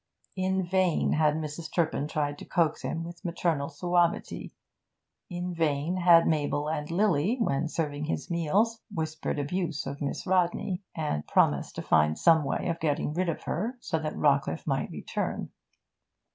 In vain had Mrs. Turpin tried to coax him with maternal suavity; in vain had Mabel and Lily, when serving his meals, whispered abuse of Miss Rodney, and promised to find some way of getting rid of her, so that Rawcliffe might return.